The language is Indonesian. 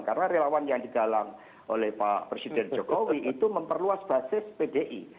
karena relawan yang digalang oleh pak presiden jokowi itu memperluas basis pdi